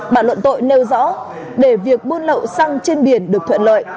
bản luận tội nêu rõ để việc buôn lậu xăng trên biển được thuận lợi